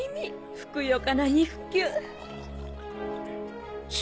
ふくよかな肉球！